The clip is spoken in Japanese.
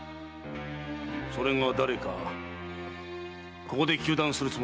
それが誰かここで糾弾するつもりはない。